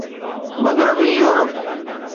مغربي يورپ